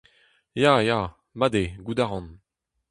Ya, ya, mat eo, gouzout a ran.